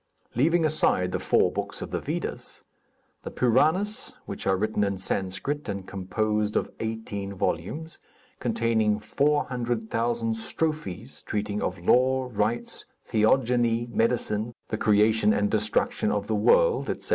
Leaving aside the four books of the Vedas; the Puranas which are written in Sanscrit and composed of eighteen volumes containing 400,000 strophes treating of law, rights, theogony, medicine, the creation and destruction of the world, etc.